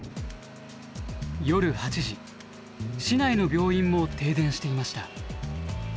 夜８時市内の病院も停電していました。